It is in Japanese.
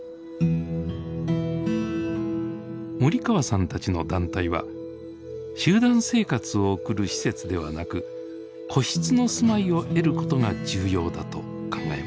森川さんたちの団体は集団生活を送る施設ではなく個室の住まいを得ることが重要だと考えました。